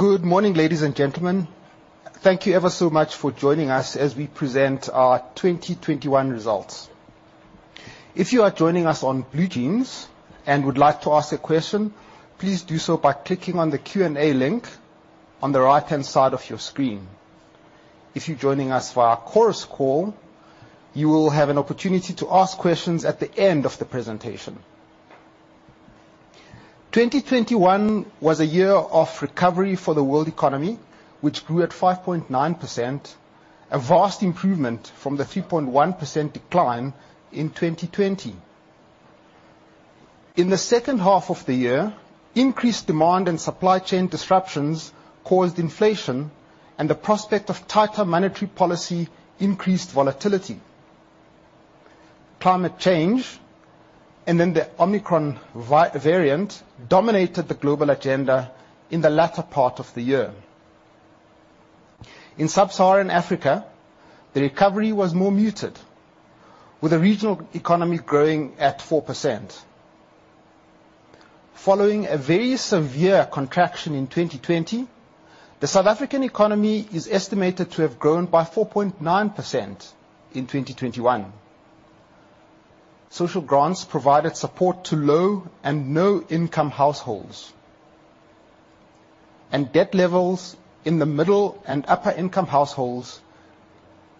Good morning, ladies and gentlemen. Thank you ever so much for joining us as we present our 2021 results. If you are joining us on BlueJeans and would like to ask a question, please do so by clicking on the Q&A link on the right-hand side of your screen. If you're joining us via Chorus Call, you will have an opportunity to ask questions at the end of the presentation. 2021 was a year of recovery for the world economy, which grew at 5.9%, a vast improvement from the 3.1% decline in 2020. In the second half of the year, increased demand and supply chain disruptions caused inflation and the prospect of tighter monetary policy increased volatility. Climate change and then the Omicron variant dominated the global agenda in the latter part of the year. In sub-Saharan Africa, the recovery was more muted, with the regional economy growing at 4%. Following a very severe contraction in 2020, the South African economy is estimated to have grown by 4.9% in 2021. Social grants provided support to low and no income households. Debt levels in the middle and upper income households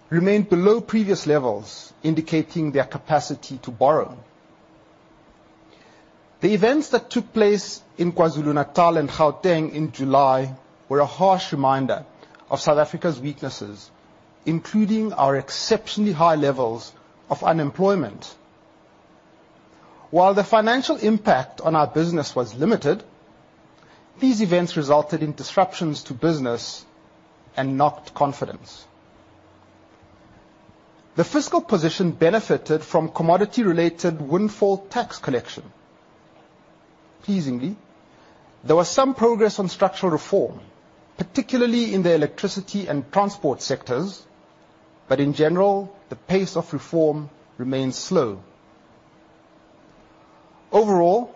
remained below previous levels, indicating their capacity to borrow. The events that took place in KwaZulu-Natal and Gauteng in July were a harsh reminder of South Africa's weaknesses, including our exceptionally high levels of unemployment. While the financial impact on our business was limited, these events resulted in disruptions to business and knocked confidence. The fiscal position benefited from commodity-related windfall tax collection. Pleasingly, there was some progress on structural reform, particularly in the electricity and transport sectors, but in general, the pace of reform remains slow. Overall,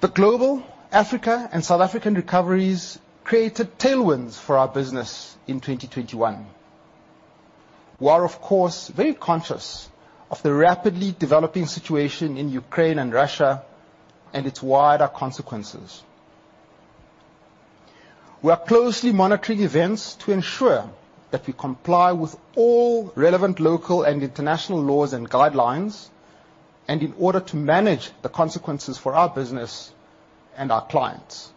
the global, Africa, and South African recoveries created tailwinds for our business in 2021. We are, of course, very conscious of the rapidly developing situation in Ukraine and Russia and its wider consequences. We are closely monitoring events to ensure that we comply with all relevant local and international laws and guidelines, and in order to manage the consequences for our business and our clients.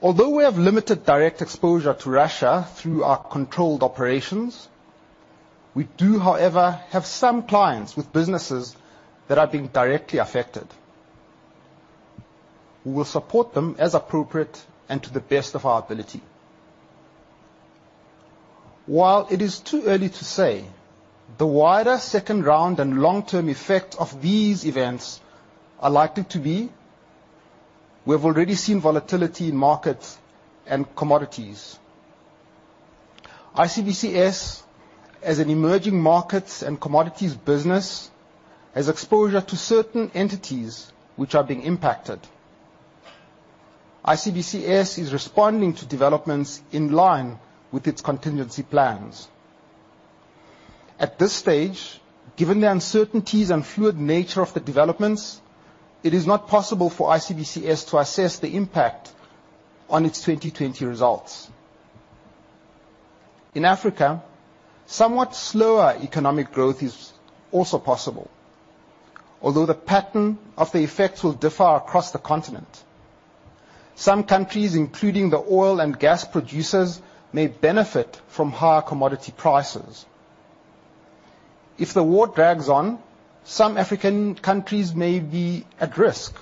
Although we have limited direct exposure to Russia through our controlled operations, we do, however, have some clients with businesses that are being directly affected. We will support them as appropriate and to the best of our ability. While it is too early to say the wider second round and long-term effect of these events are likely to be, we have already seen volatility in markets and commodities. ICBCS, as an emerging markets and commodities business, has exposure to certain entities which are being impacted. ICBCS is responding to developments in line with its contingency plans. At this stage, given the uncertainties and fluid nature of the developments, it is not possible for ICBCS to assess the impact on its 2020 results. In Africa, somewhat slower economic growth is also possible, although the pattern of the effects will differ across the continent. Some countries, including the oil and gas producers, may benefit from higher commodity prices. If the war drags on, some African countries may be at risk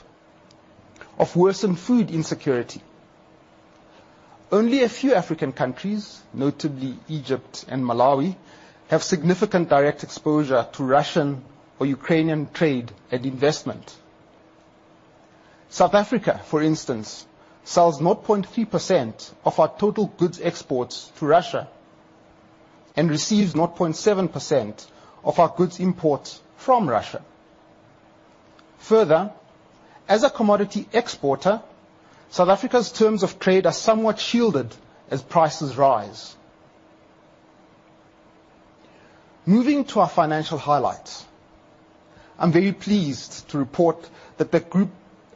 of worsened food insecurity. Only a few African countries, notably Egypt and Malawi, have significant direct exposure to Russian or Ukrainian trade and investment. South Africa, for instance, sells 0.3% of our total goods exports to Russia and receives 0.7% of our goods imports from Russia. Further, as a commodity exporter, South Africa's terms of trade are somewhat shielded as prices rise. Moving to our financial highlights. I'm very pleased to report that the group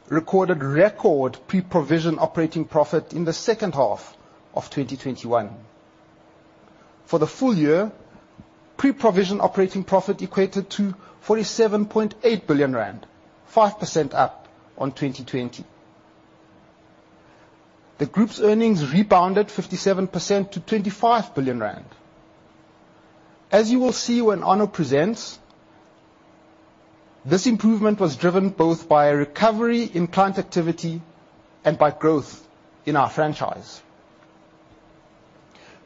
recorded record pre-provision operating profit in the second half of 2021. For the full year, pre-provision operating profit equated to 47.8 billion rand, 5% up on 2020. The group's earnings rebounded 57% to 25 billion rand. As you will see when Arno presents, this improvement was driven both by a recovery in client activity and by growth in our franchise.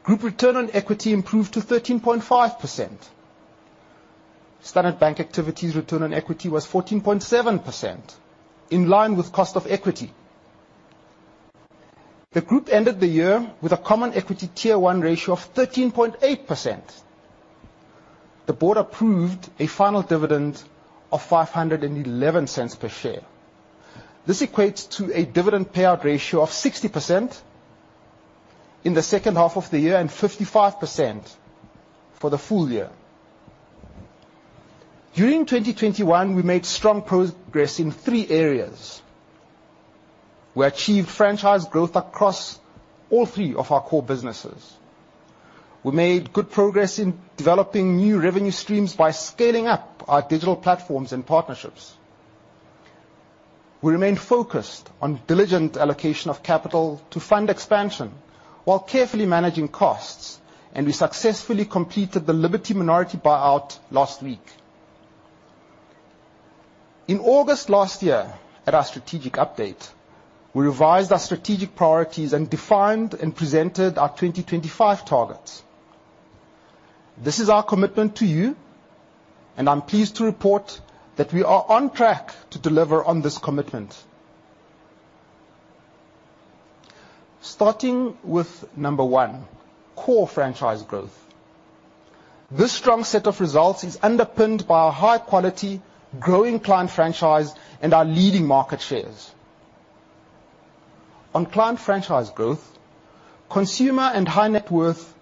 Group return on equity improved to 13.5%. Standard Bank activities return on equity was 14.7%, in line with cost of equity. The group ended the year with a Common Equity Tier 1 ratio of 13.8%. The board approved a final dividend of 5.11 per share. This equates to a dividend payout ratio of 60% in the second half of the year and 55% for the full year. During 2021, we made strong progress in three areas. We achieved franchise growth across all three of our core businesses. We made good progress in developing new revenue streams by scaling up our digital platforms and partnerships. We remain focused on diligent allocation of capital to fund expansion while carefully managing costs, and we successfully completed the Liberty minority buyout last week. In August last year at our strategic update, we revised our strategic priorities and defined and presented our 2025 targets. This is our commitment to you, and I'm pleased to report that we are on track to deliver on this commitment. Starting with 1, core franchise growth. This strong set of results is underpinned by our high quality growing client franchise and our leading market shares. On client franchise growth, Consumer and High-Net-Worth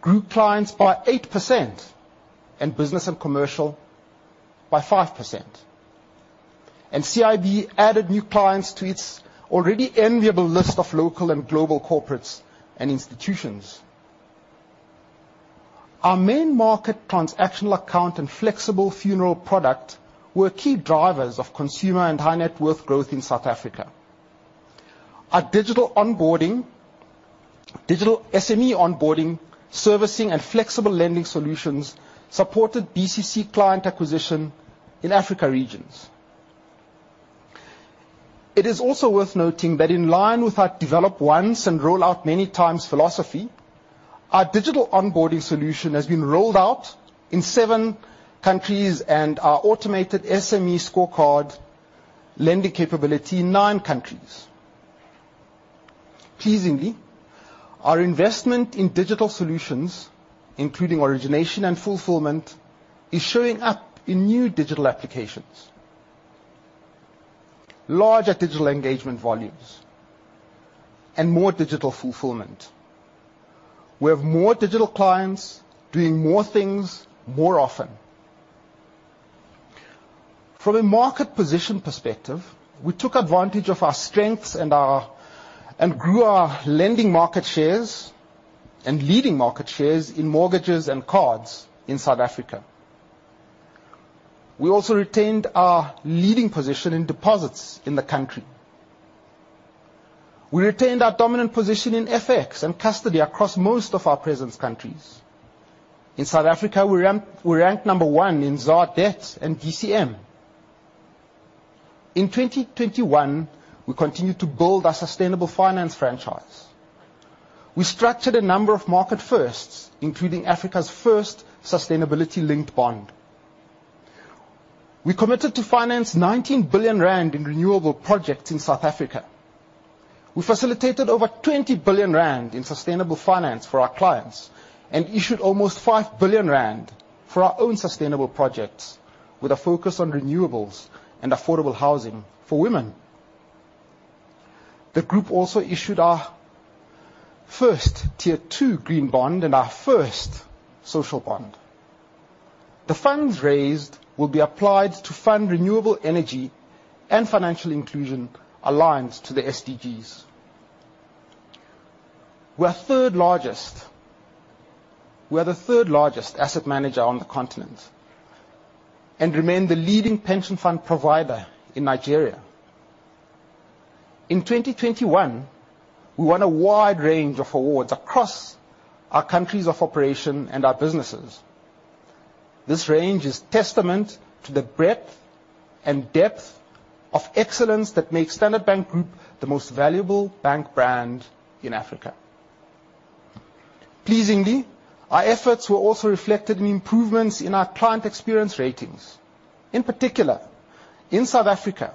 grew clients by 8% and Business and Commercial by 5%, and CIB added new clients to its already enviable list of local and global corporates and institutions. Our main market transactional account and flexible funeral product were key drivers of Consumer and High-Net-Worth growth in South Africa. Our digital onboarding, digital SME onboarding, servicing and flexible lending solutions supported BCC client acquisition in African regions. It is also worth noting that in line with our develop once and roll out many times philosophy, our digital onboarding solution has been rolled out in 7 countries and our automated SME scorecard lending capability in 9 countries. Pleasingly, our investment in digital solutions, including origination and fulfillment, is showing up in new digital applications, larger digital engagement volumes, and more digital fulfillment. We have more digital clients doing more things more often. From a market position perspective, we took advantage of our strengths and grew our lending market shares and leading market shares in mortgages and cards in South Africa. We also retained our leading position in deposits in the country. We retained our dominant position in FX and custody across most of our presence countries. In South Africa, we ranked number one in ZAR debt and DCM. In 2021, we continued to build our sustainable finance franchise. We structured a number of market firsts, including Africa's first sustainability-linked bond. We committed to finance 19 billion rand in renewable projects in South Africa. We facilitated over 20 billion rand in sustainable finance for our clients and issued almost 5 billion rand for our own sustainable projects with a focus on renewables and affordable housing for women. The group also issued our first tier two green bond and our first social bond. The funds raised will be applied to fund renewable energy and financial inclusion aligns to the SDGs. We are the third-largest asset manager on the continent and remain the leading pension fund provider in Nigeria. In 2021, we won a wide range of awards across our countries of operation and our businesses. This range is testament to the breadth and depth of excellence that makes Standard Bank Group the most valuable bank brand in Africa. Pleasingly, our efforts were also reflected in improvements in our client experience ratings. In particular, in South Africa,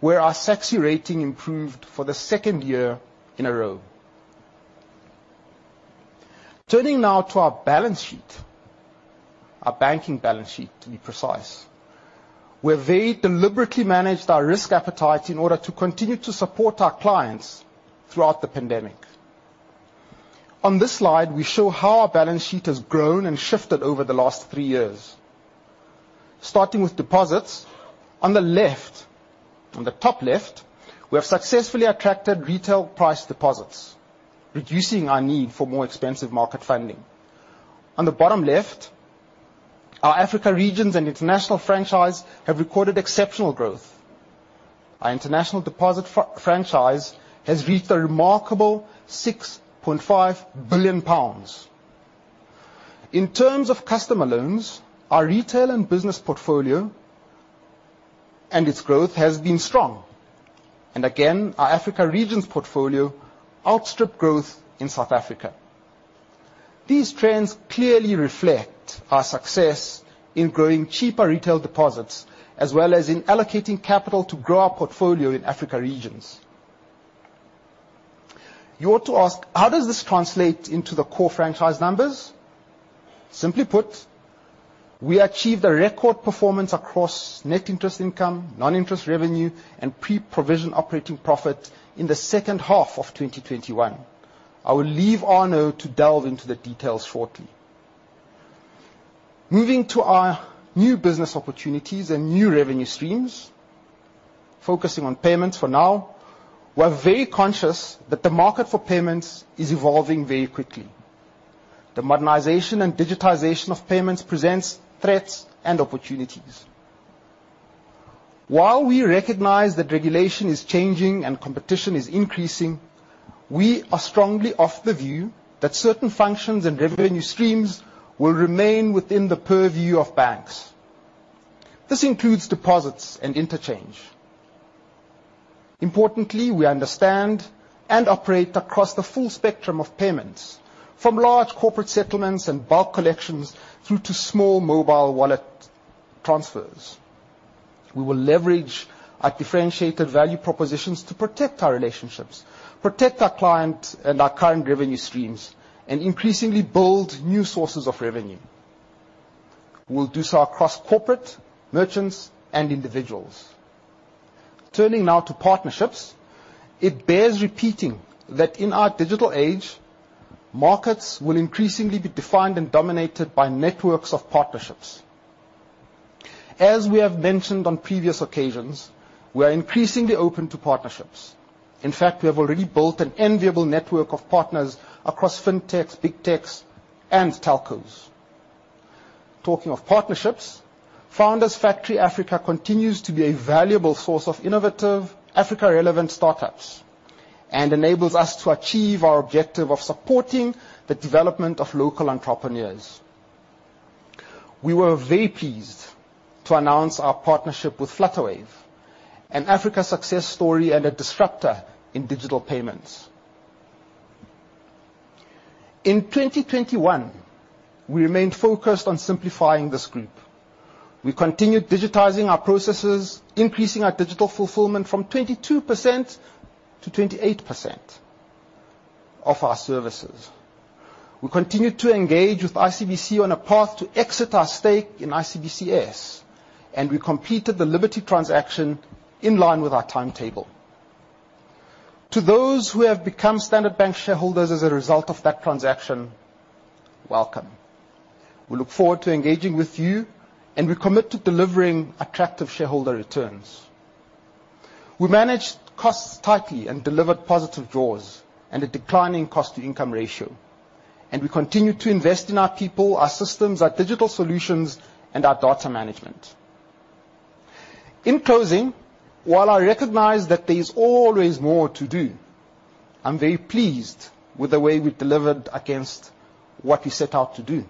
where our SASCI rating improved for the second year in a row. Turning now to our balance sheet. Our banking balance sheet, to be precise. We have very deliberately managed our risk appetite in order to continue to support our clients throughout the pandemic. On this slide, we show how our balance sheet has grown and shifted over the last three years. Starting with deposits, on the left, on the top left, we have successfully attracted retail priced deposits, reducing our need for more expensive market funding. On the bottom left, our Africa regions and international franchise have recorded exceptional growth. Our international deposit franchise has reached a remarkable 6.5 billion pounds. In terms of customer loans, our retail and business portfolio and its growth has been strong. Again, our Africa regions portfolio outstripped growth in South Africa. These trends clearly reflect our success in growing cheaper retail deposits, as well as in allocating capital to grow our portfolio in Africa regions. You ought to ask, how does this translate into the core franchise numbers? Simply put, we achieved a record performance across net interest income, non-interest revenue, and pre-provision operating profit in the second half of 2021. I will leave Arno to delve into the details shortly. Moving to our new business opportunities and new revenue streams, focusing on payments for now, we're very conscious that the market for payments is evolving very quickly. The modernization and digitization of payments presents threats and opportunities. While we recognize that regulation is changing and competition is increasing, we are strongly of the view that certain functions and revenue streams will remain within the purview of banks. This includes deposits and interchange. Importantly, we understand and operate across the full spectrum of payments, from large corporate settlements and bulk collections through to small mobile wallet transfers. We will leverage our differentiated value propositions to protect our relationships, protect our client and our current revenue streams, and increasingly build new sources of revenue. We'll do so across corporate, merchants, and individuals. Turning now to partnerships, it bears repeating that in our digital age, markets will increasingly be defined and dominated by networks of partnerships. As we have mentioned on previous occasions, we are increasingly open to partnerships. In fact, we have already built an enviable network of partners across fintechs, big techs, and telcos. Talking of partnerships, Founders Factory Africa continues to be a valuable source of innovative Africa-relevant startups, and enables us to achieve our objective of supporting the development of local entrepreneurs. We were very pleased to announce our partnership with Flutterwave, an Africa success story and a disruptor in digital payments. In 2021, we remained focused on simplifying this group. We continued digitizing our processes, increasing our digital fulfillment from 22% to 28% of our services. We continued to engage with ICBC on a path to exit our stake in ICBCS, and we completed the Liberty transaction in line with our timetable. To those who have become Standard Bank shareholders as a result of that transaction, welcome. We look forward to engaging with you, and we commit to delivering attractive shareholder returns. We managed costs tightly and delivered positive jaws and a declining cost-to-income ratio, and we continue to invest in our people, our systems, our digital solutions, and our data management. In closing, while I recognize that there is always more to do, I'm very pleased with the way we delivered against what we set out to do.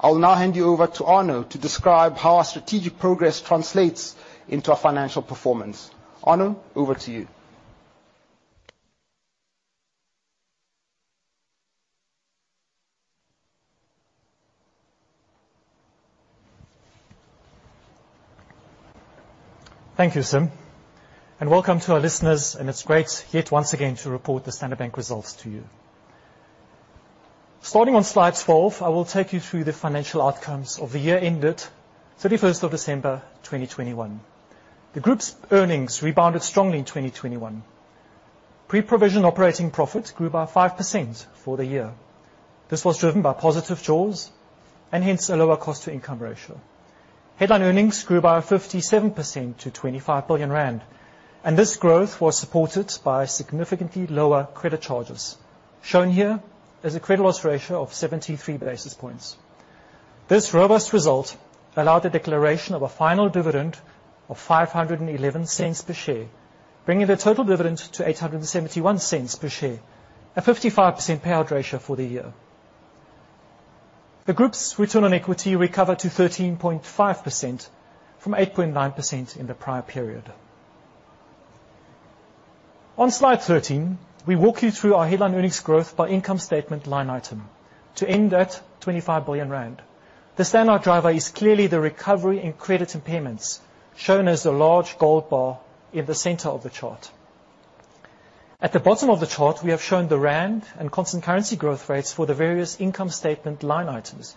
I will now hand you over to Arno to describe how our strategic progress translates into our financial performance. Arno, over to you. Thank you, Sim, and welcome to our listeners, and it's great yet once again to report the Standard Bank results to you. Starting on slide 12, I will take you through the financial outcomes of the year ended 31st of December, 2021. The group's earnings rebounded strongly in 2021. Pre-provision operating profits grew by 5% for the year. This was driven by positive jaws and hence a lower cost-to-income ratio. Headline earnings grew by 57% to 25 billion rand, and this growth was supported by significantly lower credit charges, shown here as a credit loss ratio of 73 basis points. This robust result allowed a declaration of a final dividend of 5.11 per share, bringing the total dividend to 8.71 per share, a 55% payout ratio for the year. The group's return on equity recovered to 13.5% from 8.9% in the prior period. On slide 13, we walk you through our headline earnings growth by income statement line item to end at 25 billion rand. The standout driver is clearly the recovery in credit and payments, shown as the large gold bar in the center of the chart. At the bottom of the chart, we have shown the rand and constant currency growth rates for the various income statement line items.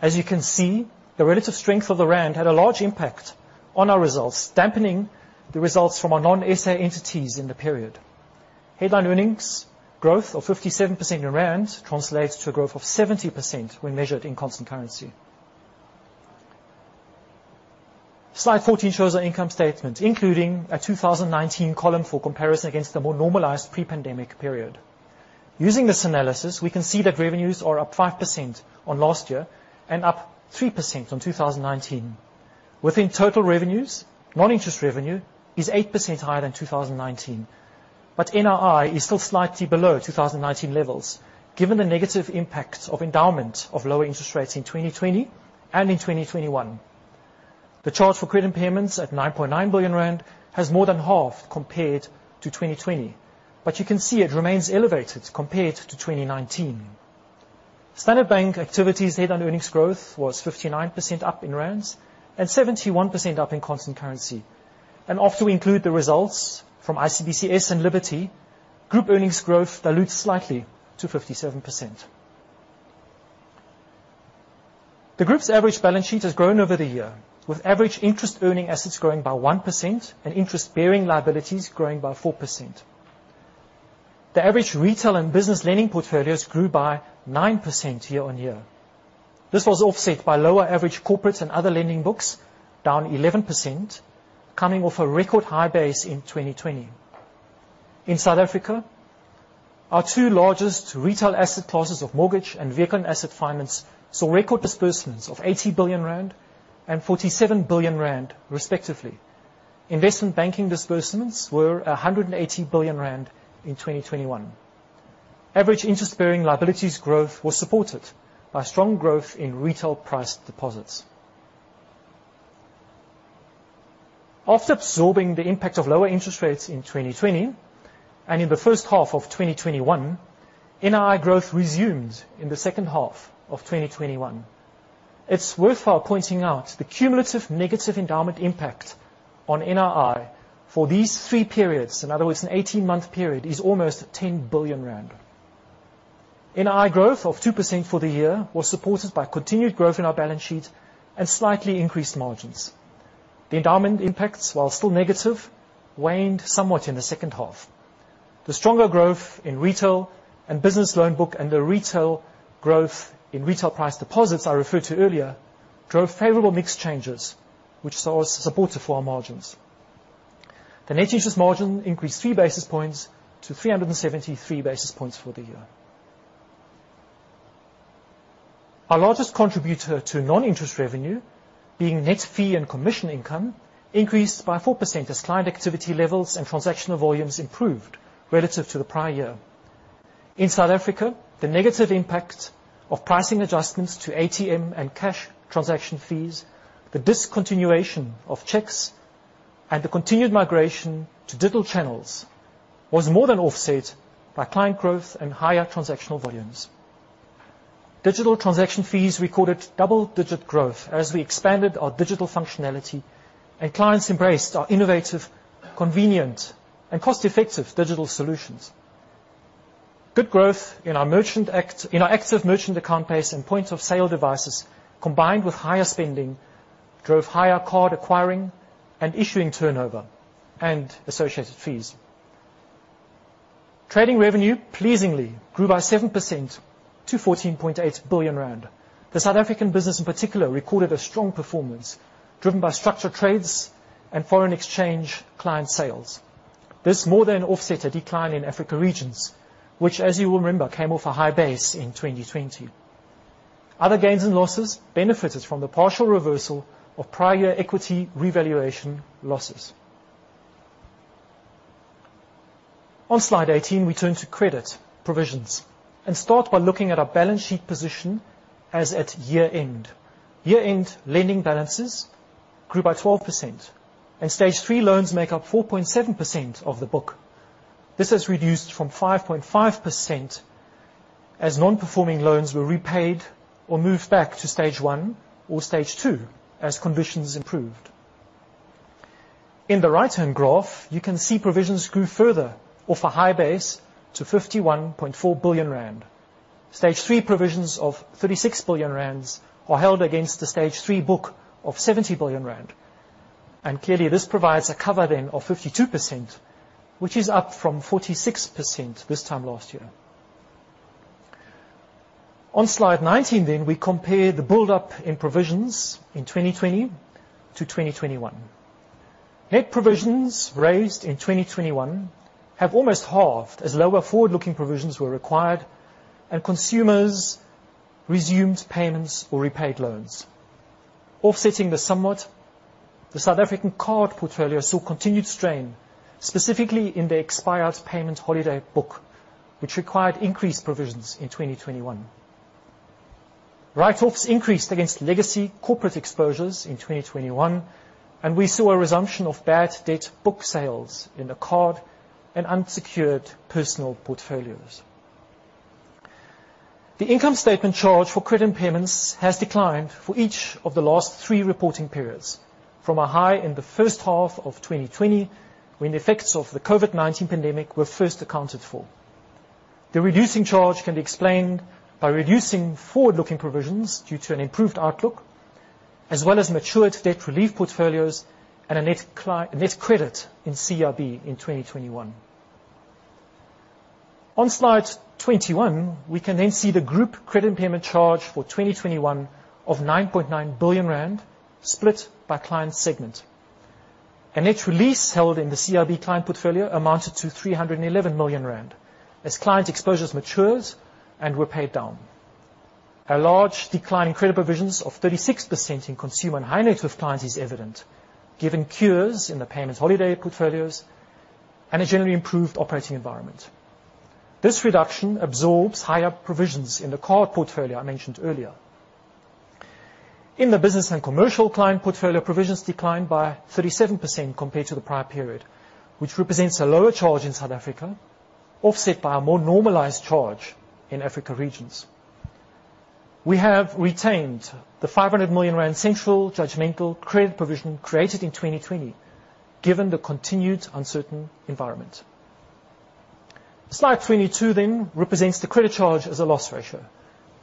As you can see, the relative strength of the rand had a large impact on our results, dampening the results from our non-SA entities in the period. Headline earnings growth of 57% in rand translates to a growth of 70% when measured in constant currency. Slide 14 shows our income statement, including a 2019 column for comparison against the more normalized pre-pandemic period. Using this analysis, we can see that revenues are up 5% on last year and up 3% on 2019. Within total revenues, non-interest revenue is 8% higher than 2019, but NII is still slightly below 2019 levels, given the negative impact of enduring lower interest rates in 2020 and in 2021. The charge for credit impairments at 9.9 billion rand has more than halved compared to 2020, but you can see it remains elevated compared to 2019. Standard Bank activities headline earnings growth was 59% up in ZAR and 71% up in constant currency. After we include the results from ICBCS and Liberty, group earnings growth dilutes slightly to 57%. The group's average balance sheet has grown over the year, with average interest earning assets growing by 1% and interest-bearing liabilities growing by 4%. The average retail and business lending portfolios grew by 9% year on year. This was offset by lower average corporate and other lending books, down 11%, coming off a record high base in 2020. In South Africa, our two largest retail asset classes of mortgage and vehicle and asset finance saw record disbursements of 80 billion rand and 47 billion rand, respectively. Investment banking disbursements were 180 billion rand in 2021. Average interest-bearing liabilities growth was supported by strong growth in retail priced deposits. After absorbing the impact of lower interest rates in 2020 and in the first half of 2021, NII growth resumed in the second half of 2021. It's worthwhile pointing out the cumulative negative endowment impact on NII for these three periods, in other words, an 18-month period, is almost 10 billion rand. NII growth of 2% for the year was supported by continued growth in our balance sheet and slightly increased margins. The endowment impacts, while still negative, waned somewhat in the second half. The stronger growth in retail and business loan book and the retail growth in retail-priced deposits I referred to earlier drove favorable mix changes which saw us supportive for our margins. The net interest margin increased 3 basis points to 373 basis points for the year. Our largest contributor to non-interest revenue, being net fee and commission income, increased by 4% as client activity levels and transactional volumes improved relative to the prior year. In South Africa, the negative impact of pricing adjustments to ATM and cash transaction fees, the discontinuation of checks, and the continued migration to digital channels was more than offset by client growth and higher transactional volumes. Digital transaction fees recorded double-digit growth as we expanded our digital functionality and clients embraced our innovative, convenient, and cost-effective digital solutions. Good growth in our active merchant account base and point of sale devices combined with higher spending, drove higher card acquiring and issuing turnover and associated fees. Trading revenue pleasingly grew by 7% to 14.8 billion rand. The South African business in particular recorded a strong performance driven by structured trades and foreign exchange client sales. This more than offset a decline in Africa regions, which, as you will remember, came off a high base in 2020. Other gains and losses benefited from the partial reversal of prior year equity revaluation losses. On slide 18, we turn to credit provisions and start by looking at our balance sheet position as at year-end. Year-end lending balances grew by 12%, and stage three loans make up 4.7% of the book. This has reduced from 5.5% as non-performing loans were repaid or moved back to stage one or stage two as conditions improved. In the right-hand graph, you can see provisions grew further off a high base to 51.4 billion rand. Stage three provisions of 36 billion rand were held against the stage three book of 70 billion rand. Clearly, this provides a cover then of 52%, which is up from 46% this time last year. On slide 19, we compare the build-up in provisions in 2020 to 2021. Net provisions raised in 2021 have almost halved as lower forward-looking provisions were required and consumers resumed payments or repaid loans. Offsetting this somewhat, the South African card portfolio saw continued strain, specifically in the expired payment holiday book, which required increased provisions in 2021. Write-offs increased against legacy corporate exposures in 2021, and we saw a resumption of bad debt book sales in the card and unsecured personal portfolios. The income statement charge for credit impairments has declined for each of the last 3 reporting periods from a high in the first half of 2020, when the effects of the COVID-19 pandemic were first accounted for. The reducing charge can be explained by reducing forward-looking provisions due to an improved outlook, as well as matured debt relief portfolios and a net credit in CRB in 2021. On slide 21, we can then see the group credit impairment charge for 2021 of 9.9 billion rand split by client segment. A net release held in the CRB client portfolio amounted to 311 million rand as client exposures matured and were paid down. A large decline in credit provisions of 36% in consumer and high net worth clients is evident given cures in the payment holiday portfolios and a generally improved operating environment. This reduction absorbs higher provisions in the card portfolio I mentioned earlier. In the business and commercial client portfolio, provisions declined by 37% compared to the prior period, which represents a lower charge in South Africa, offset by a more normalized charge in Africa regions. We have retained the 500 million rand central judgmental credit provision created in 2020, given the continued uncertain environment. Slide 22 represents the credit charge as a loss ratio.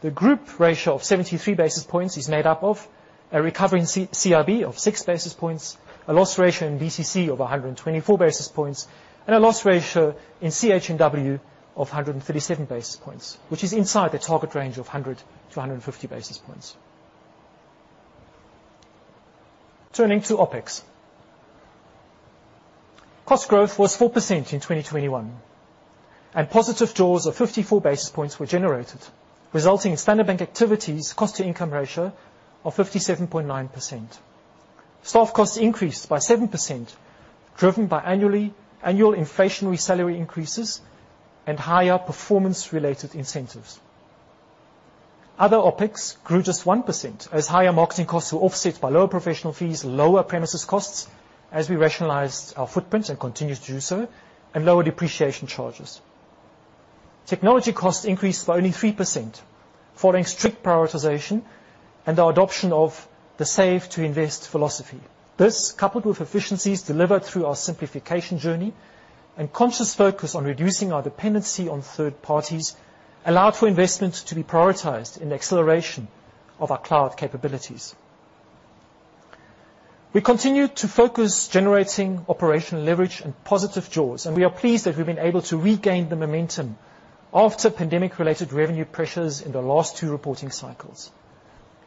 The group ratio of 73 basis points is made up of a recovering CIB of 6 basis points, a loss ratio in BCC of 124 basis points, and a loss ratio in CHNW of 137 basis points, which is inside the target range of 100-150 basis points. Turning to OpEx. Cost growth was 4% in 2021, and positive jaws of 54 basis points were generated, resulting in Standard Bank activities cost-to-income ratio of 57.9%. Staff costs increased by 7%, driven by annual inflationary salary increases and higher performance-related incentives. Other OpEx grew just 1% as higher marketing costs were offset by lower professional fees, lower premises costs as we rationalized our footprint and continue to do so, and lower depreciation charges. Technology costs increased by only 3% following strict prioritization and our adoption of the save to invest philosophy. This, coupled with efficiencies delivered through our simplification journey and conscious focus on reducing our dependency on third parties, allowed for investment to be prioritized in acceleration of our cloud capabilities. We continued to focus on generating operational leverage and positive jaws, and we are pleased that we've been able to regain the momentum after pandemic-related revenue pressures in the last two reporting cycles.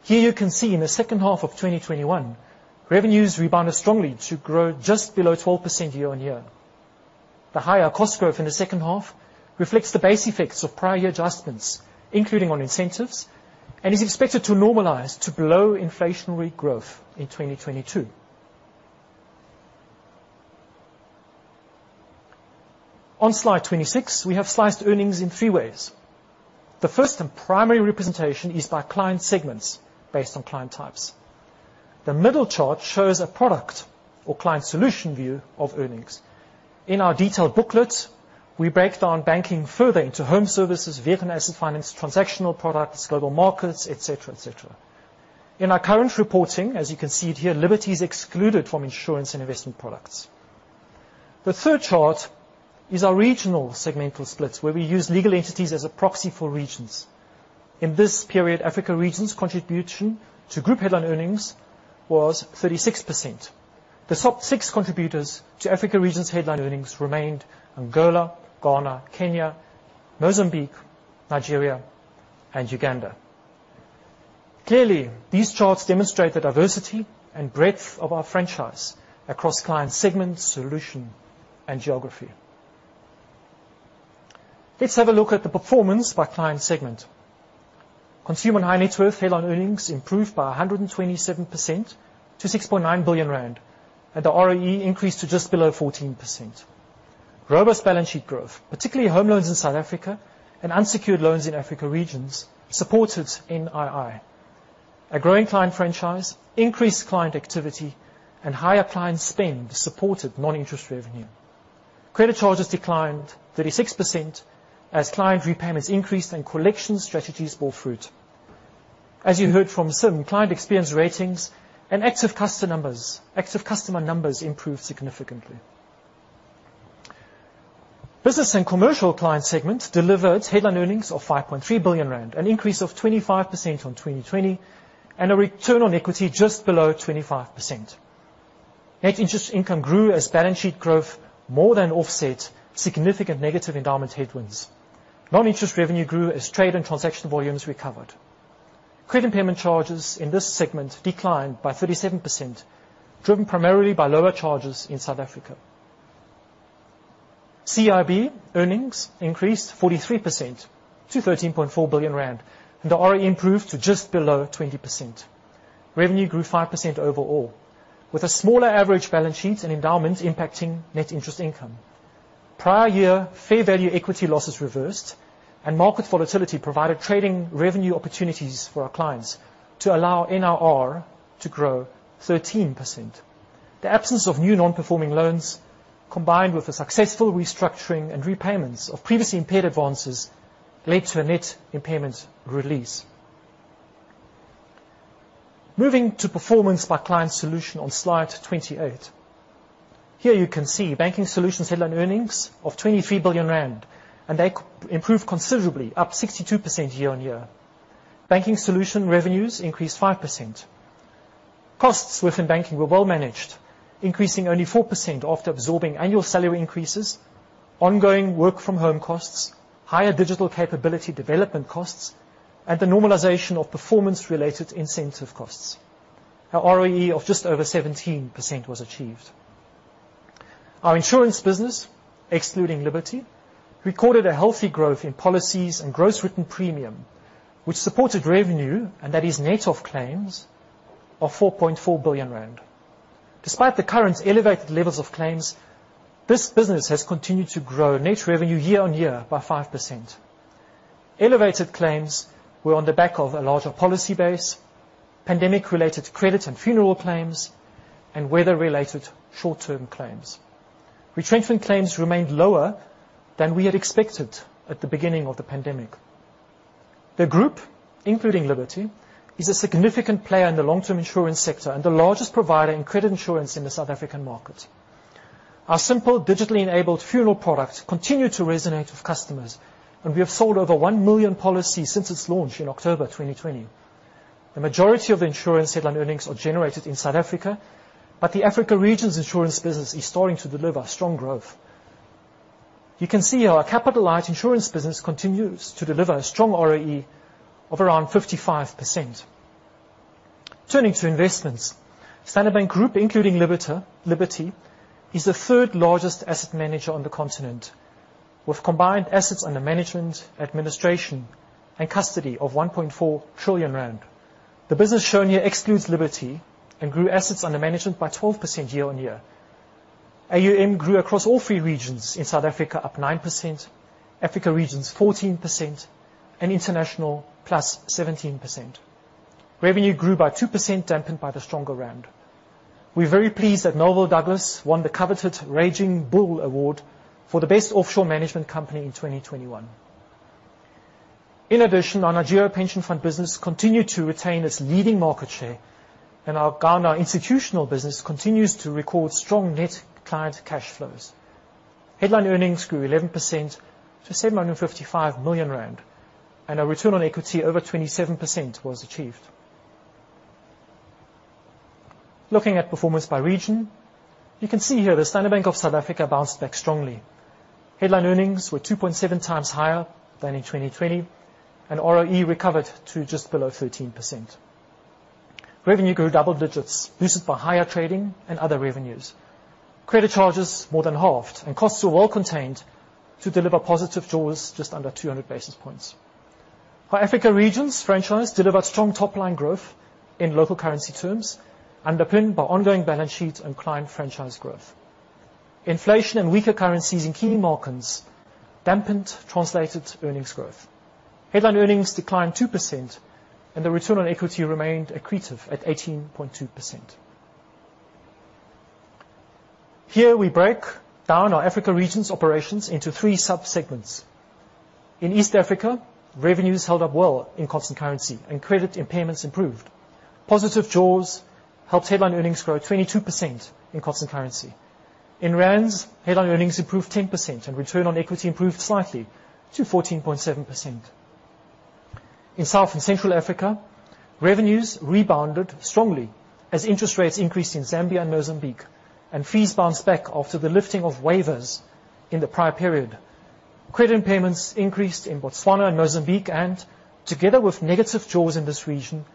Here you can see in the second half of 2021, revenues rebounded strongly to grow just below 12% year-on-year. The higher cost growth in the second half reflects the base effects of prior year adjustments, including on incentives, and is expected to normalize to below inflationary growth in 2022. On slide 26, we have sliced earnings in three ways. The first and primary representation is by client segments based on client types. The middle chart shows a product or client solution view of earnings. In our detailed booklet, we break down banking further into home services, vehicle asset finance, transactional products, global markets, et cetera, et cetera. In our current reporting, as you can see it here, Liberty is excluded from insurance and investment products. The third chart is our regional segmental splits, where we use legal entities as a proxy for regions. In this period, Africa region's contribution to group headline earnings was 36%. The top 6 contributors to Africa region's headline earnings remained Angola, Ghana, Kenya, Mozambique, Nigeria, and Uganda. Clearly, these charts demonstrate the diversity and breadth of our franchise across client segment, solution, and geography. Let's have a look at the performance by client segment. Consumer and High Net Worth headline earnings improved by 127% to 6.9 billion rand, and the ROE increased to just below 14%. Robust balance sheet growth, particularly home loans in South Africa and unsecured loans in Africa regions, supported NII. A growing client franchise, increased client activity, and higher client spend supported non-interest revenue. Credit charges declined 36% as client repayments increased and collection strategies bore fruit. As you heard from Sim, client experience ratings and active customer numbers improved significantly. Business and Commercial Clients segment delivered headline earnings of 5.3 billion rand, an increase of 25% on 2020, and a return on equity just below 25%. Net interest income grew as balance sheet growth more than offset significant negative endowment headwinds. Non-interest revenue grew as trade and transaction volumes recovered. Credit payment charges in this segment declined by 37%, driven primarily by lower charges in South Africa. CIB earnings increased 43% to 13.4 billion rand, and the ROE improved to just below 20%. Revenue grew 5% overall, with a smaller average balance sheet and endowment impacting net interest income. Prior year fair value equity losses reversed and market volatility provided trading revenue opportunities for our clients to allow NIR to grow 13%. The absence of new non-performing loans, combined with the successful restructuring and repayments of previously impaired advances, led to a net impairment release. Moving to performance by client solution on slide 28. Here you can see banking solutions headline earnings of 23 billion rand, and they improved considerably, up 62% year-on-year. Banking solution revenues increased 5%. Costs within banking were well managed, increasing only 4% after absorbing annual salary increases, ongoing work from home costs, higher digital capability development costs, and the normalization of performance-related incentive costs. Our ROE of just over 17% was achieved. Our insurance business, excluding Liberty, recorded a healthy growth in policies and gross written premium, which supported revenue, and that is net of claims, of 4.4 billion rand. Despite the current elevated levels of claims, this business has continued to grow net revenue year-over-year by 5%. Elevated claims were on the back of a larger policy base, pandemic related credit and funeral claims, and weather-related short-term claims. Retrenchment claims remained lower than we had expected at the beginning of the pandemic. The group, including Liberty, is a significant player in the long-term insurance sector and the largest provider in credit insurance in the South African market. Our simple, digitally enabled funeral product continued to resonate with customers, and we have sold over 1 million policies since its launch in October 2020. The majority of insurance headline earnings are generated in South Africa, but the Africa regions insurance business is starting to deliver strong growth. You can see our capital light insurance business continues to deliver a strong ROE of around 55%. Turning to investments. Standard Bank Group, including Liberty, is the third largest asset manager on the continent, with combined assets under management, administration and custody of 1.4 trillion rand. The business shown here excludes Liberty and grew assets under management by 12% year-on-year. AUM grew across all three regions. In South Africa up 9%, Africa regions 14%, and international +17%. Revenue grew by 2%, dampened by the stronger rand. We're very pleased that Melville Douglas won the coveted Raging Bull Award for the best offshore management company in 2021. In addition, our Nigeria pension fund business continued to retain its leading market share, and our Ghana institutional business continues to record strong net client cash flows. Headline earnings grew 11% to 755 million rand, and our return on equity over 27% was achieved. Looking at performance by region, you can see here the Standard Bank of South Africa bounced back strongly. Headline earnings were 2.7 times higher than in 2020, and ROE recovered to just below 13%. Revenue grew double digits, boosted by higher trading and other revenues. Credit charges more than halved and costs were well contained to deliver positive jaws just under 200 basis points. Our Africa regions franchise delivered strong top-line growth in local currency terms, underpinned by ongoing balance sheet and client franchise growth. Inflation and weaker currencies in key markets dampened translated earnings growth. Headline earnings declined 2% and the return on equity remained accretive at 18.2%. Here we break down our African regions' operations into three sub-segments. In East Africa, revenues held up well in constant currency and credit impairments improved. Positive jaws helped headline earnings grow 22% in constant currency. In rands, headline earnings improved 10% and return on equity improved slightly to 14.7%. In South and Central Africa, revenues rebounded strongly as interest rates increased in Zambia and Mozambique, and fees bounced back after the lifting of waivers in the prior period. Credit impairments increased in Botswana and Mozambique, and together with negative jaws in this region,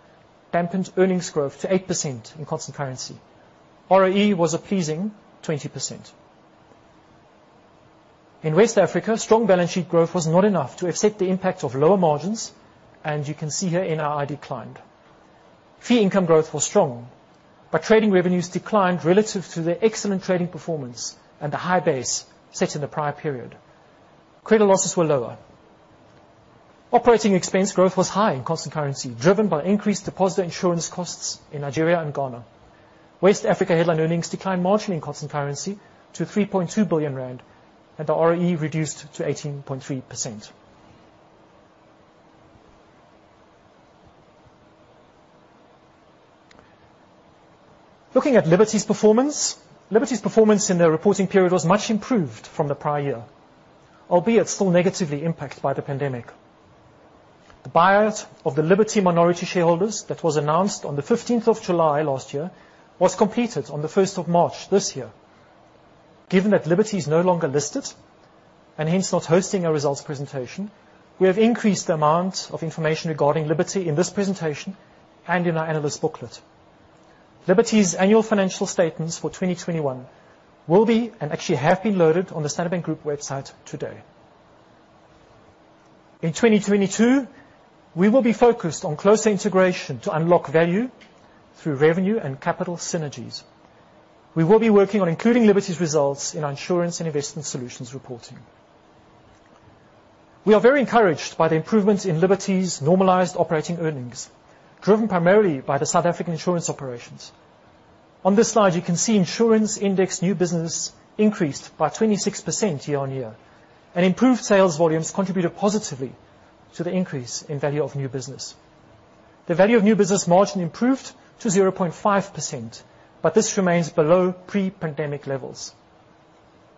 dampened earnings growth to 8% in constant currency. ROE was a pleasing 20%. In West Africa, strong balance sheet growth was not enough to offset the impact of lower margins, and you can see here NII declined. Fee income growth was strong, but trading revenues declined relative to the excellent trading performance and the high base set in the prior period. Credit losses were lower. Operating expense growth was high in constant currency, driven by increased deposit insurance costs in Nigeria and Ghana. West Africa headline earnings declined marginally in constant currency to 3.2 billion rand, and the ROE reduced to 18.3%. Looking at Liberty's performance, Liberty's performance in the reporting period was much improved from the prior year, albeit still negatively impacted by the pandemic. The buyout of the Liberty minority shareholders that was announced on the 15th of July last year was completed on the 1st of March this year. Given that Liberty is no longer listed and hence not hosting a results presentation, we have increased the amount of information regarding Liberty in this presentation and in our analyst booklet. Liberty's annual financial statements for 2021 will be, and actually have been, loaded on the Standard Bank Group website today. In 2022, we will be focused on closer integration to unlock value through revenue and capital synergies. We will be working on including Liberty's results in our insurance and investment solutions reporting. We are very encouraged by the improvements in Liberty's normalized operating earnings, driven primarily by the South African insurance operations. On this slide, you can see insurance index new business increased by 26% year-on-year, and improved sales volumes contributed positively to the increase in value of new business. The value of new business margin improved to 0.5%, but this remains below pre-pandemic levels.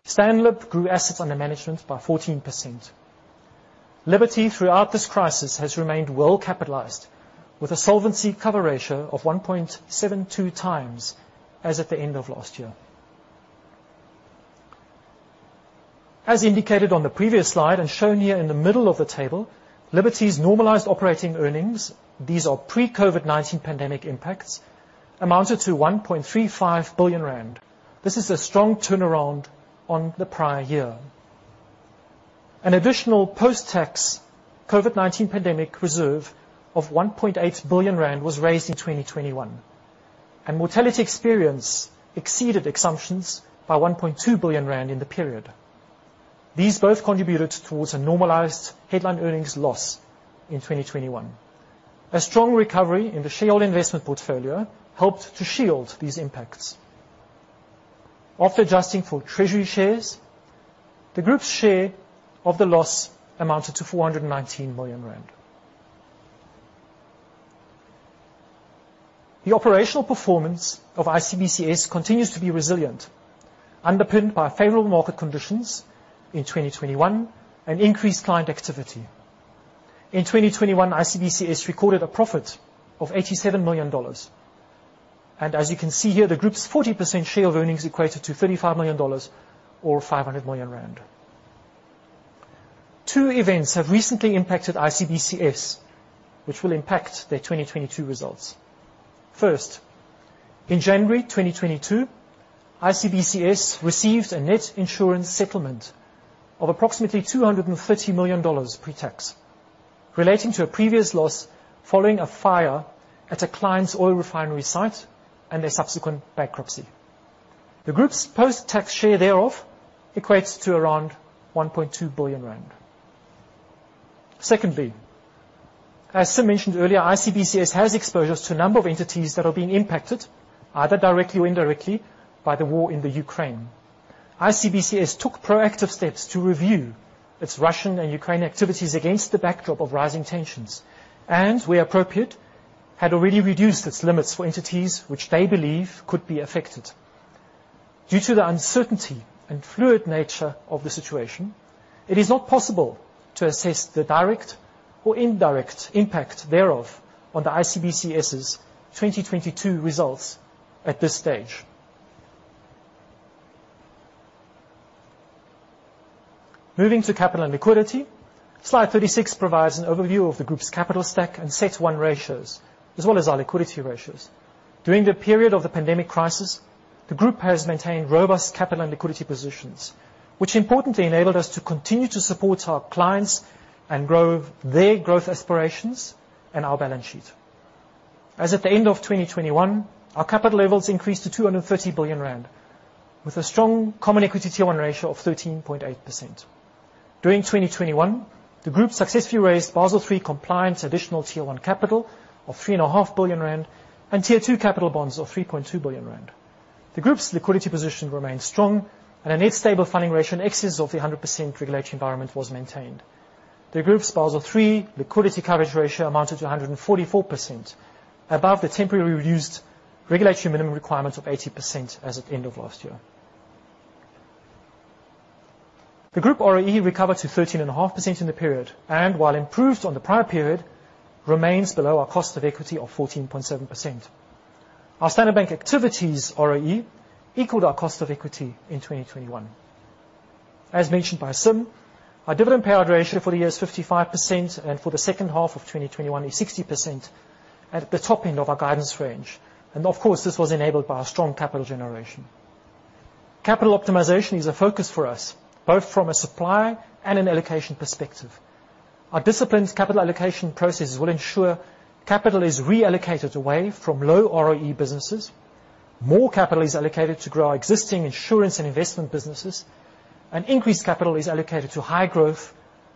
STANLIB grew assets under management by 14%. Liberty, throughout this crisis, has remained well capitalized with a solvency cover ratio of 1.72 times as at the end of last year. As indicated on the previous slide and shown here in the middle of the table, Liberty's normalized operating earnings, these are pre-COVID-19 pandemic impacts, amounted to 1.35 billion rand. This is a strong turnaround on the prior year. An additional post-tax COVID-19 pandemic reserve of 1.8 billion rand was raised in 2021, and mortality experience exceeded assumptions by 1.2 billion rand in the period. These both contributed towards a normalized headline earnings loss in 2021. A strong recovery in the shareholder investment portfolio helped to shield these impacts. After adjusting for treasury shares, the group's share of the loss amounted to 419 million rand. The operational performance of ICBCS continues to be resilient, underpinned by favorable market conditions in 2021 and increased client activity. In 2021, ICBCS recorded a profit of $87 million. As you can see here, the group's 40% share of earnings equated to $35 million or 500 million rand. Two events have recently impacted ICBCS, which will impact their 2022 results. First, in January 2022, ICBCS received a net insurance settlement of approximately $230 million pre-tax relating to a previous loss following a fire at a client's oil refinery site and their subsequent bankruptcy. The group's post-tax share thereof equates to around 1.2 billion rand. Secondly, as Sim mentioned earlier, ICBCS has exposures to a number of entities that have been impacted, either directly or indirectly, by the war in Ukraine. ICBCS took proactive steps to review its Russian and Ukrainian activities against the backdrop of rising tensions and, where appropriate, had already reduced its limits for entities which they believe could be affected. Due to the uncertainty and fluid nature of the situation, it is not possible to assess the direct or indirect impact thereof on the ICBCS's 2022 results at this stage. Moving to capital and liquidity. Slide 36 provides an overview of the group's capital stack and CET1 ratios as well as our liquidity ratios. During the period of the pandemic crisis, the group has maintained robust capital and liquidity positions, which importantly enabled us to continue to support our clients and grow their growth aspirations and our balance sheet. As at the end of 2021, our capital levels increased to 230 billion rand with a strong Common Equity Tier 1 ratio of 13.8%. During 2021, the group successfully raised Basel III compliant additional Tier 1 capital of 3.5 billion rand and Tier 2 capital bonds of 3.2 billion rand. The group's liquidity position remains strong and a net stable funding ratio in excess of the 100% regulatory requirement was maintained. The group's Basel III liquidity coverage ratio amounted to 144%, above the temporarily reduced regulatory minimum requirement of 80% as of end of last year. The group ROE recovered to 13.5% in the period, and while improved on the prior period, remains below our cost of equity of 14.7%. Our Standard Bank activities ROE equaled our cost of equity in 2021. As mentioned by Sim, our dividend payout ratio for the year is 55% and for the second half of 2021 is 60% at the top end of our guidance range. Of course, this was enabled by our strong capital generation. Capital optimization is a focus for us, both from a supply and an allocation perspective. Our disciplined capital allocation processes will ensure capital is reallocated away from low ROE businesses, more capital is allocated to grow our existing insurance and investment businesses, and increased capital is allocated to high growth,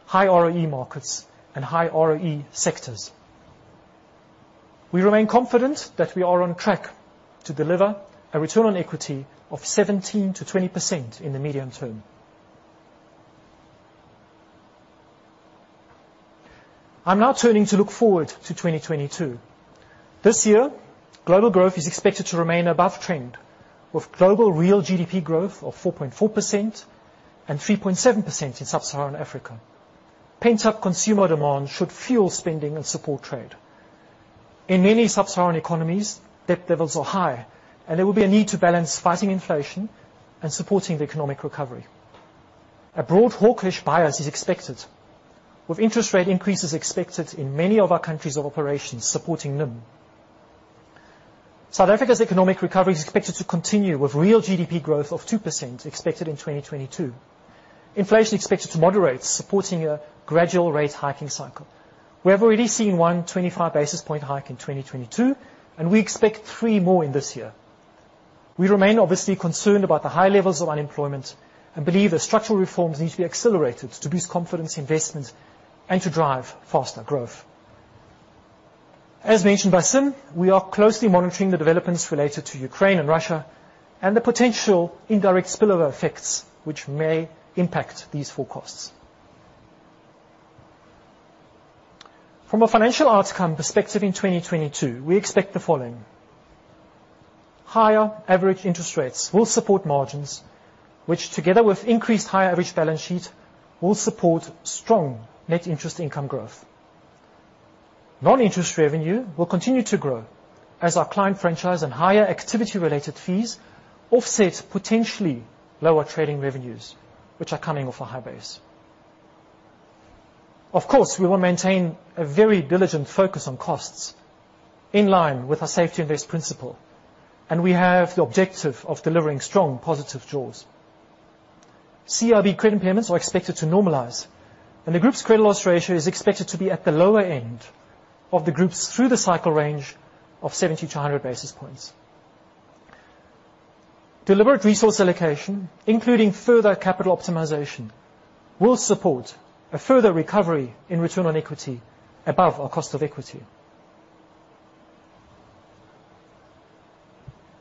high ROE markets and high ROE sectors. We remain confident that we are on track to deliver a return on equity of 17%-20% in the medium term. I'm now turning to look forward to 2022. This year, global growth is expected to remain above trend with global real GDP growth of 4.4% and 3.7% in sub-Saharan Africa. Pent-up consumer demand should fuel spending and support trade. In many sub-Saharan economies, debt levels are high, and there will be a need to balance fighting inflation and supporting the economic recovery. A broad hawkish bias is expected with interest rate increases expected in many of our countries of operations supporting NIM. South Africa's economic recovery is expected to continue with real GDP growth of 2% expected in 2022. Inflation is expected to moderate, supporting a gradual rate hiking cycle. We have already seen 125 basis point hike in 2022, and we expect 3 more in this year. We remain obviously concerned about the high levels of unemployment and believe that structural reforms need to be accelerated to boost confidence, investment, and to drive faster growth. As mentioned by Sim, we are closely monitoring the developments related to Ukraine and Russia and the potential indirect spillover effects which may impact these forecasts. From a financial outcome perspective in 2022, we expect the following. Higher average interest rates will support margins, which together with increased higher average balance sheet will support strong net interest income growth. Non-interest revenue will continue to grow as our client franchise and higher activity related fees offset potentially lower trading revenues, which are coming off a high base. Of course, we will maintain a very diligent focus on costs in line with our safety and risk principle, and we have the objective of delivering strong positive jaws. CRB credit payments are expected to normalize, and the group's credit loss ratio is expected to be at the lower end of the group's through the cycle range of 70-100 basis points. Deliberate resource allocation, including further capital optimization, will support a further recovery in return on equity above our cost of equity.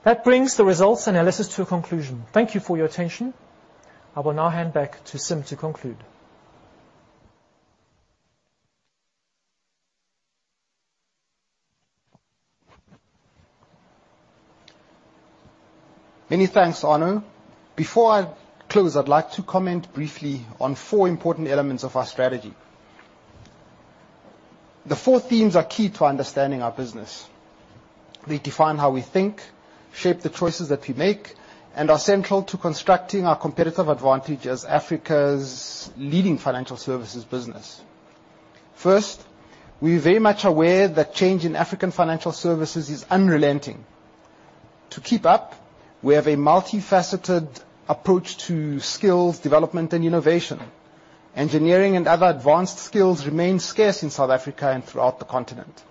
That brings the results analysis to a conclusion. Thank you for your attention. I will now hand back to Sim to conclude. Many thanks, Arno. Before I close, I'd like to comment briefly on four important elements of our strategy. The four themes are key to understanding our business. They define how we think, shape the choices that we make, and are central to constructing our competitive advantage as Africa's leading financial services business. First, we're very much aware that change in African financial services is unrelenting. To keep up, we have a multifaceted approach to skills, development, and innovation. Engineering and other advanced skills remain scarce in South Africa and throughout the continent.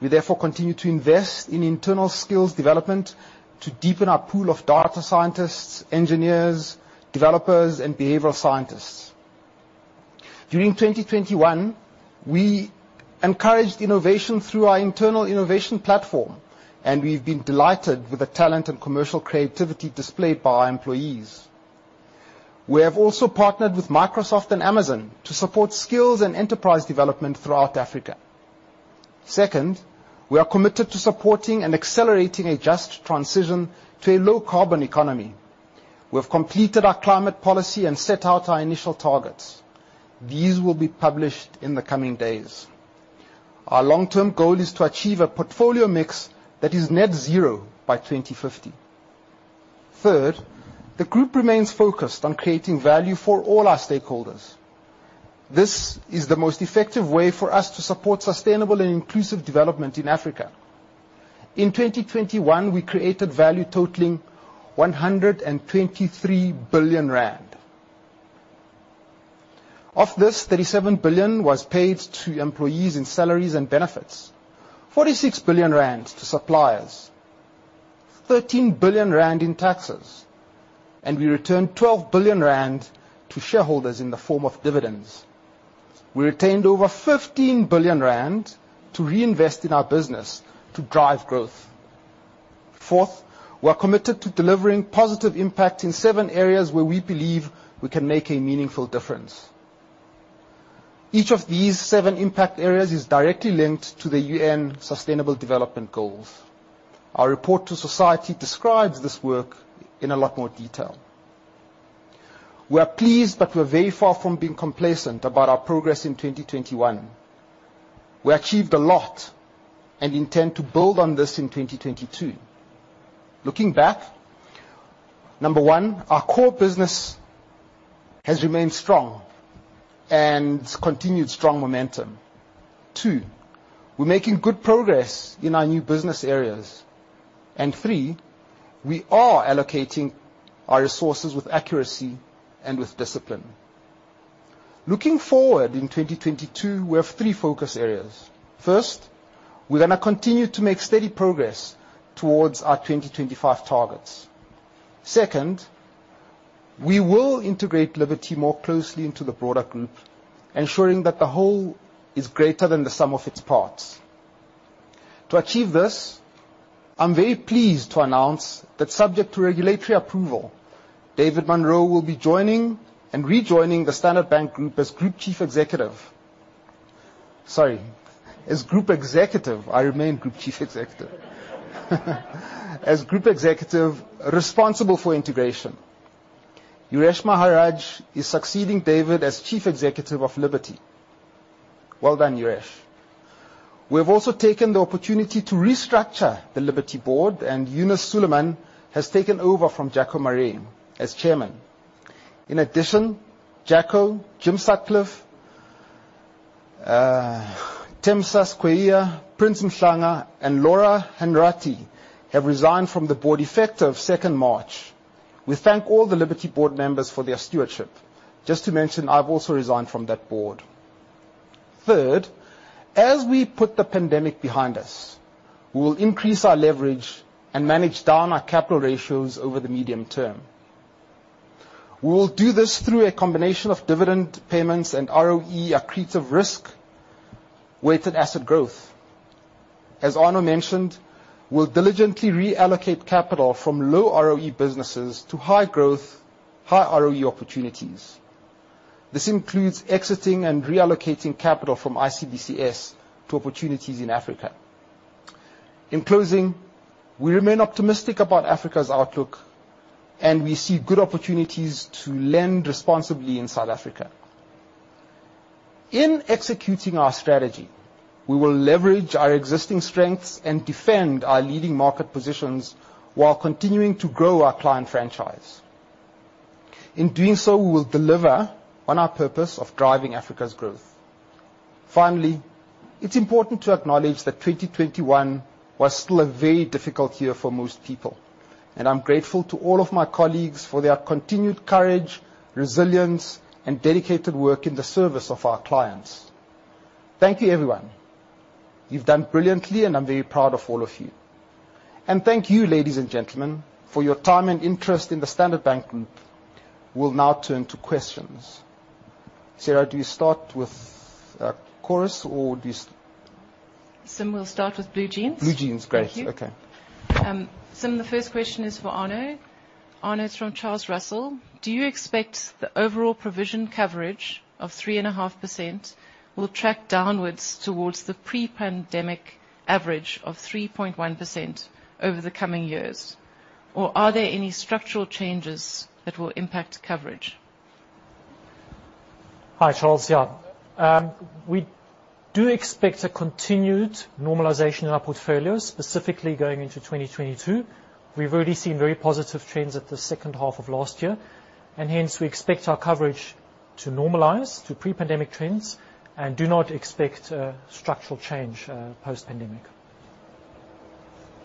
We therefore continue to invest in internal skills development to deepen our pool of data scientists, engineers, developers, and behavioral scientists. During 2021, we encouraged innovation through our internal innovation platform, and we've been delighted with the talent and commercial creativity displayed by our employees. We have also partnered with Microsoft and Amazon to support skills and enterprise development throughout Africa. Second, we are committed to supporting and accelerating a just transition to a low carbon economy. We have completed our climate policy and set out our initial targets. These will be published in the coming days. Our long-term goal is to achieve a portfolio mix that is net zero by 2050. Third, the group remains focused on creating value for all our stakeholders. This is the most effective way for us to support sustainable and inclusive development in Africa. In 2021, we created value totaling 123 billion rand. Of this, 37 billion was paid to employees in salaries and benefits, 46 billion rand to suppliers, 13 billion rand in taxes, and we returned 12 billion rand to shareholders in the form of dividends. We retained over 15 billion rand to reinvest in our business to drive growth. Fourth, we are committed to delivering positive impact in seven areas where we believe we can make a meaningful difference. Each of these seven impact areas is directly linked to the UN Sustainable Development Goals. Our report to society describes this work in a lot more detail. We are pleased, but we're very far from being complacent about our progress in 2021. We achieved a lot and intend to build on this in 2022. Looking back, number 1, our core business has remained strong and continued strong momentum. 2, we're making good progress in our new business areas. 3, we are allocating our resources with accuracy and with discipline. Looking forward in 2022, we have three focus areas. First, we're gonna continue to make steady progress towards our 2025 targets. Second, we will integrate Liberty more closely into the broader group, ensuring that the whole is greater than the sum of its parts. To achieve this, I'm very pleased to announce that subject to regulatory approval, David Munro will be joining and rejoining the Standard Bank Group as Group Chief Executive. Sorry, as Group Executive. I remain Group Chief Executive. As Group Executive responsible for integration. Yuresh Maharaj is succeeding David as Chief Executive of Liberty. Well done, Yuresh. We have also taken the opportunity to restructure the Liberty board, and Yunus Suleman has taken over from Jacko Maree as Chairman. In addition, Jacko, Jim Sutcliffe, Thembisa Skweyiya, Prins Mhlanga, and Laura Hartnady have resigned from the board effective 2 March. We thank all the Liberty board members for their stewardship. Just to mention, I've also resigned from that board. Third, as we put the pandemic behind us, we will increase our leverage and manage down our capital ratios over the medium term. We will do this through a combination of dividend payments and ROE accretive risk-weighted asset growth. As Arno mentioned, we'll diligently reallocate capital from low ROE businesses to high growth, high ROE opportunities. This includes exiting and reallocating capital from ICBCS to opportunities in Africa. In closing, we remain optimistic about Africa's outlook, and we see good opportunities to lend responsibly in South Africa. In executing our strategy, we will leverage our existing strengths and defend our leading market positions while continuing to grow our client franchise. In doing so, we will deliver on our purpose of driving Africa's growth. Finally, it's important to acknowledge that 2021 was still a very difficult year for most people, and I'm grateful to all of my colleagues for their continued courage, resilience, and dedicated work in the service of our clients. Thank you, everyone. You've done brilliantly, and I'm very proud of all of you. Thank you, ladies and gentlemen, for your time and interest in the Standard Bank Group. We'll now turn to questions. Sarah, do you start with Chorus or do you s- Sim, we'll start with BlueJeans. BlueJeans, great. Thank you. Okay. The first question is for Arno. Arno, it's from Charles Russell. Do you expect the overall provision coverage of 3.5% will track downwards towards the pre-pandemic average of 3.1% over the coming years? Or are there any structural changes that will impact coverage? Hi, Charles. Yeah. We do expect a continued normalization in our portfolio, specifically going into 2022. We've already seen very positive trends at the second half of last year, and hence, we expect our coverage to normalize to pre-pandemic trends and do not expect a structural change post-pandemic.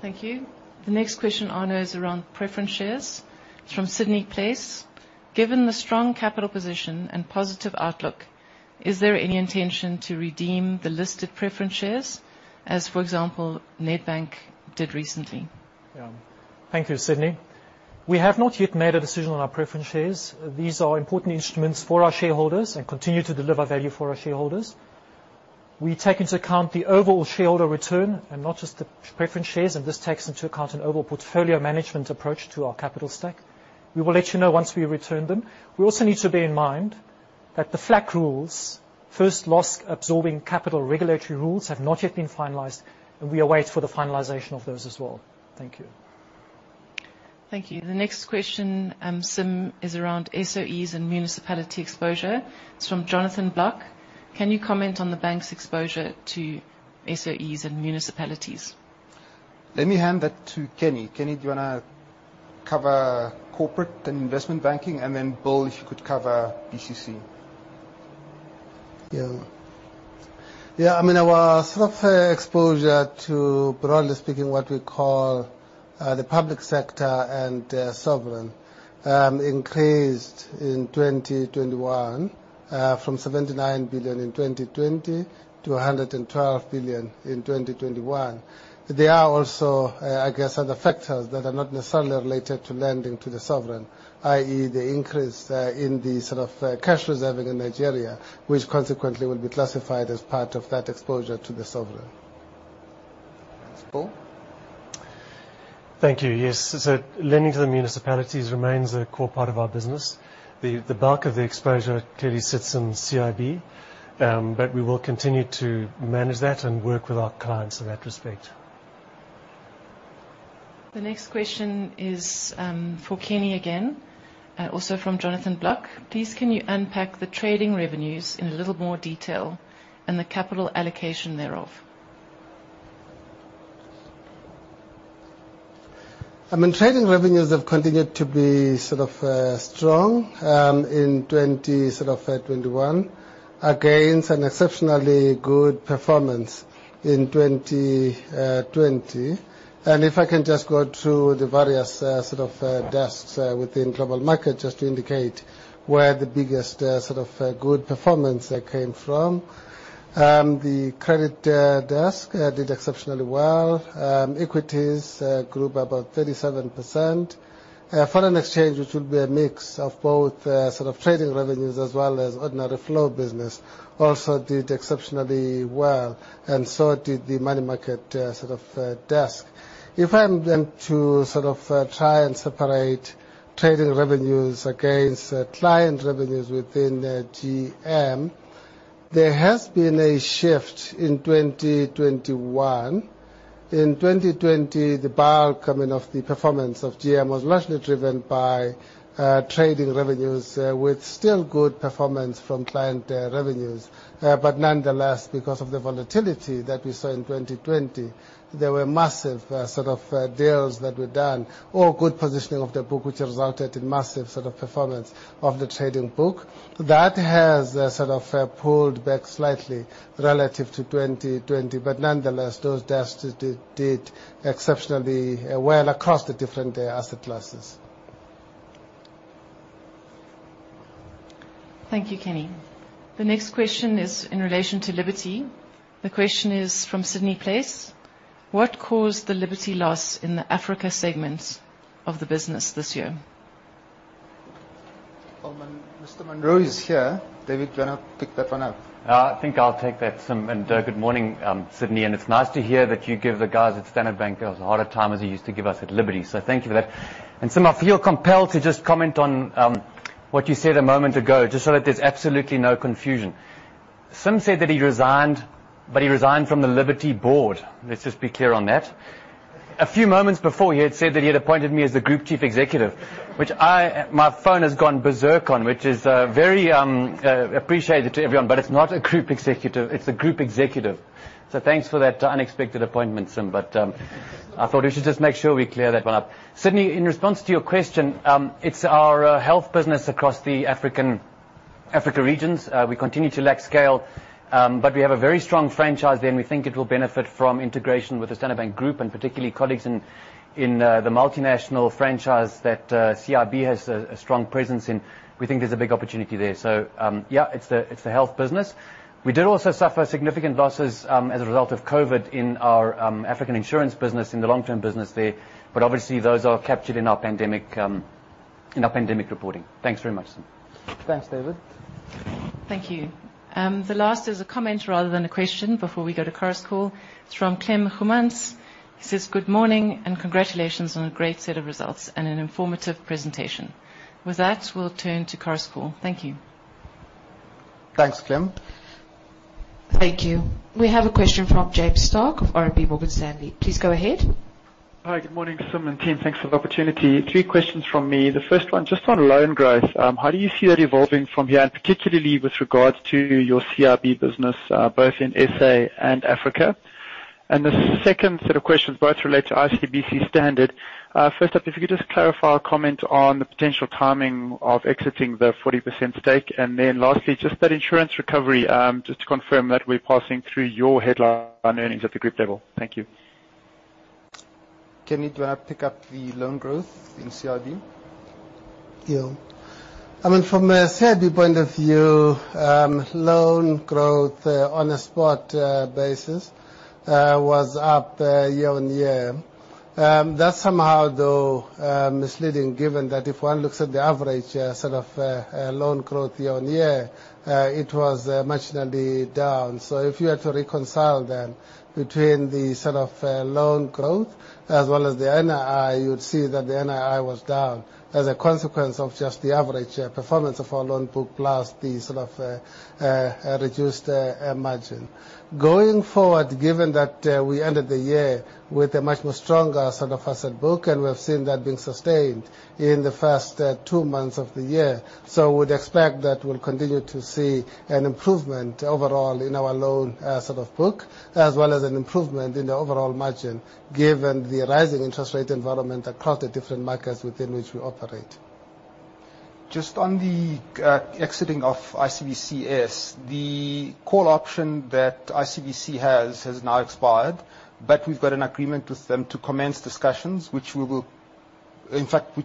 Thank you. The next question, Arno, is around preference shares. It's from Sydney Place. Given the strong capital position and positive outlook, is there any intention to redeem the listed preference shares as, for example, Nedbank did recently? Yeah. Thank you, Sydney. We have not yet made a decision on our preference shares. These are important instruments for our shareholders and continue to deliver value for our shareholders. We take into account the overall shareholder return and not just the preference shares, and this takes into account an overall portfolio management approach to our capital stack. We will let you know once we return them. We also need to bear in mind that the FLAC rules, First Loss Absorbing Capital regulatory rules, have not yet been finalized, and we await for the finalization of those as well. Thank you. Thank you. The next question, Sim, is around SOEs and municipality exposure. It's from Jonathan Block. Can you comment on the bank's exposure to SOEs and municipalities? Let me hand that to Kenny. Kenny, do you wanna cover corporate and investment banking? Paul, if you could cover BCC. Yeah. Yeah, I mean, our sort of exposure to, broadly speaking, what we call, the public sector and sovereign, increased in 2021, from 79 billion in 2020 to 112 billion in 2021. There are also, I guess, other factors that are not necessarily related to lending to the sovereign, i.e., the increase, in the sort of cash reserves in Nigeria, which consequently will be classified as part of that exposure to the sovereign. Paul? Thank you. Yes. Lending to the municipalities remains a core part of our business. The bulk of the exposure clearly sits in CIB, but we will continue to manage that and work with our clients in that respect. The next question is, for Kenny again, also from Jonathan Block. Please, can you unpack the trading revenues in a little more detail and the capital allocation thereof? I mean, trading revenues have continued to be sort of strong in 2021 against an exceptionally good performance in 2020. If I can just go through the various sort of desks within Global Markets just to indicate where the biggest sort of good performance came from. The credit desk did exceptionally well. Equities grew by about 37%. Foreign exchange, which would be a mix of both sort of trading revenues as well as ordinary flow business also did exceptionally well, and so did the money market sort of desk. If I am then to sort of try and separate trading revenues against client revenues within GM, there has been a shift in 2021. In 2020, the bulk, I mean, of the performance of GM was largely driven by trading revenues with still good performance from client revenues. Nonetheless, because of the volatility that we saw in 2020, there were massive sort of deals that were done or good positioning of the book, which resulted in massive sort of performance of the trading book. That has sort of pulled back slightly relative to 2020, but nonetheless, those desks did exceptionally well across the different asset classes. Thank you, Kenny. The next question is in relation to Liberty. The question is from Sydney Place. What caused the Liberty loss in the Africa segment of the business this year? Well, when Mr. Munro is here. David, do you wanna pick that one up? I think I'll take that, Sim. Good morning, Sydney Place, and it's nice to hear that you give the guys at Standard Bank as hard a time as you used to give us at Liberty. Thank you for that. Sim, I feel compelled to just comment on what you said a moment ago, just so that there's absolutely no confusion. Sim said that he resigned, but he resigned from the Liberty board. Let's just be clear on that. A few moments before, he had said that he had appointed me as the group chief executive. My phone has gone berserk on, which is very appreciated to everyone, but it's not a group executive, it's a group executive. Thanks for that unexpected appointment, Sim. I thought we should just make sure we clear that one up. Sydney, in response to your question, it's our health business across the African African regions, we continue to lack scale, but we have a very strong franchise there, and we think it will benefit from integration with the Standard Bank Group, and particularly colleagues in the multinational franchise that CIB has a strong presence in. We think there's a big opportunity there. It's the health business. We did also suffer significant losses as a result of COVID in our African insurance business, in the long-term business there, but obviously those are captured in our pandemic reporting. Thanks very much. Thanks, David. Thank you. The last is a comment rather than a question before we go to Chorus Call. It's from Clem Heuman. He says, "Good morning, and congratulations on a great set of results and an informative presentation." With that, we'll turn to Chorus Call. Thank you. Thanks, Clem. Thank you. We have a question from James Starke of RMB Morgan Stanley. Please go ahead. Hi. Good morning, Simon and team. Thanks for the opportunity. Three questions from me. The first one just on loan growth. How do you see that evolving from here, and particularly with regards to your CIB business, both in SA and Africa? The second set of questions both relate to ICBC Standard. First up, if you could just clarify or comment on the potential timing of exiting the 40% stake. Lastly, just that insurance recovery, just to confirm that we're passing through your headline earnings at the group level. Thank you. Kenny, do you wanna pick up the loan growth in CIB? Yeah. I mean, from a CIB point of view, loan growth on a spot basis was up year-on-year. That's somehow though misleading given that if one looks at the average sort of loan growth year-on-year, it was marginally down. So if you had to reconcile then between the sort of loan growth as well as the NII, you'd see that the NII was down as a consequence of just the average performance of our loan book, plus the sort of reduced margin. Going forward, given that we ended the year with a much more stronger sort of asset book, and we have seen that being sustained in the first two months of the year. We'd expect that we'll continue to see an improvement overall in our loan, sort of book, as well as an improvement in the overall margin given the rising interest rate environment across the different markets within which we operate. Just on the exiting of ICBC's, the call option that ICBC has now expired. We've got an agreement with them to commence discussions, which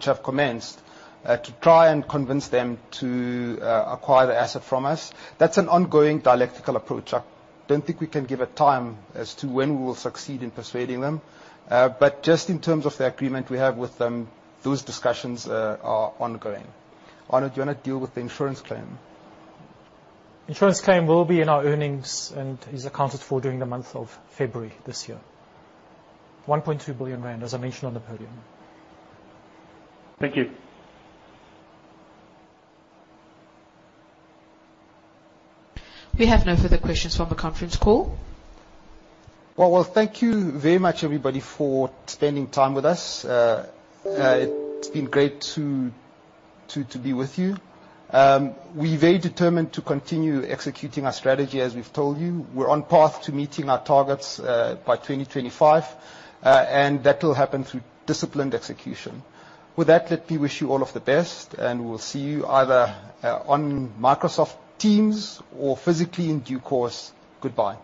have commenced, to try and convince them to acquire the asset from us. That's an ongoing delicate approach. I don't think we can give a time as to when we will succeed in persuading them. Just in terms of the agreement we have with them, those discussions are ongoing. Arnold, do you wanna deal with the insurance claim? Insurance claim will be in our earnings and is accounted for during the month of February this year. 1.2 billion rand, as I mentioned on the podium. Thank you. We have no further questions from the conference call. Well, thank you very much everybody for spending time with us. It's been great to be with you. We're very determined to continue executing our strategy, as we've told you. We're on path to meeting our targets by 2025. That will happen through disciplined execution. With that, let me wish you all of the best, and we'll see you either on Microsoft Teams or physically in due course. Goodbye.